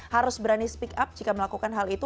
harus berani speak up jika melakukan hal itu